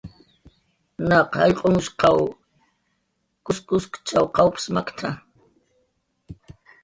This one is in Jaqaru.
"Naq jallq'unhshqaq kuskchaw qawps makt""a"